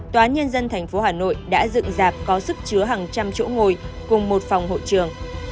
tòa nhân dân tp hà nội đã dựng dạp có sức chứa hàng trăm chỗ ngồi cùng một phòng hội trường